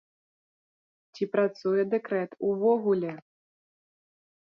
Ці працуе дэкрэт увогуле?